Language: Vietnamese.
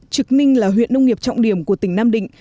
trực ninh là huyện nông nghiệp trọng điểm của tỉnh nam định